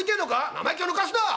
「生意気をぬかすな！